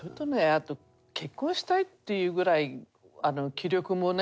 あと結婚したいっていうぐらい気力もね